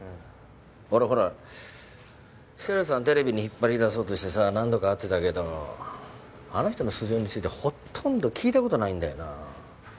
俺ほらシセルさんテレビに引っ張り出そうとしてさ何度か会ってたけどあの人の素性についてほとんど聞いた事ないんだよな。